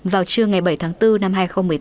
vào trưa ngày bảy tháng bốn năm hai nghìn một mươi tám